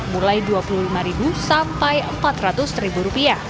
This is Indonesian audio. mulai rp dua puluh lima sampai rp empat ratus